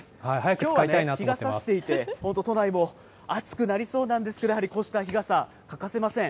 きょうは日がさしていて、本当、都内も暑くなりそうなんですけど、やはりこうした日傘、欠かせません。